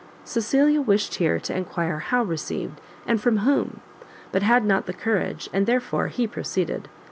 Cecilia wished here to enquire how received, and from whom, but had not the courage, and therefore he proceeded.